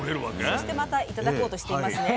そしてまた頂こうとしていますね。